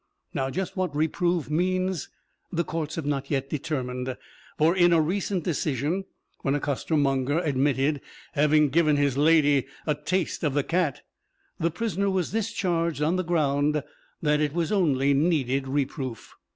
Just what reprove means the courts have not yet determined; for, in a recent decision, when a costermonger admitted having given his lady "a taste of the cat," the prisoner was discharged on the ground that it was only needed reproof.